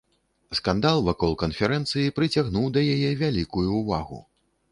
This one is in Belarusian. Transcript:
Скандал вакол канферэнцыі прыцягнуў да яе вялікую ўвагу.